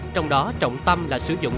trong đó trọng tâm là sử dụng